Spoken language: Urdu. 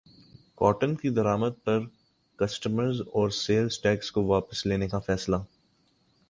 کاٹن کی درمد پر کسٹمز اور سیلز ٹیکس کو واپس لینے کا فیصلہ